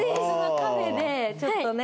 カフェでちょっとね